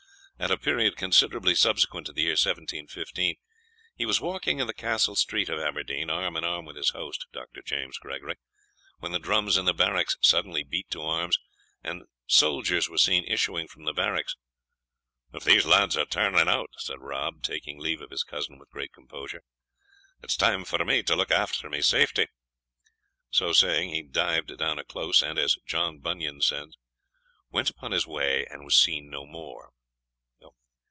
At a period considerably subsequent to the year 1715, he was walking in the Castle Street of Aberdeen, arm in arm with his host, Dr. James Gregory, when the drums in the barracks suddenly beat to arms, and soldiers were seen issuing from the barracks. "If these lads are turning out," said Rob, taking leave of his cousin with great composure, "it is time for me to look after my safety." So saying, he dived down a close, and, as John Bunyan says, "went upon his way and was seen no more."